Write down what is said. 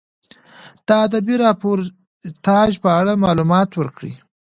د ادبي راپورتاژ په اړه معلومات ورکړئ.